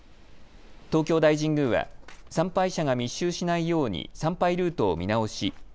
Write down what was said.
東京大神宮は参拝者が密集しないように参拝ルートを見直し